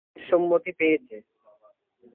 স্বামীর সম্মতি পেয়েছ?